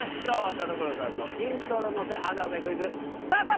田所さんのイントロ乗せ穴埋めクイズスタート！